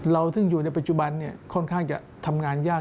ซึ่งอยู่ในปัจจุบันค่อนข้างจะทำงานยาก